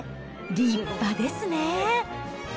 立派ですね。